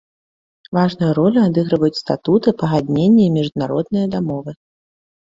Важную ролю адыгрываюць статуты, пагадненні і міжнародныя дамовы.